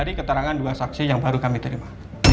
dari keterangan dua saksi yang baru kami terima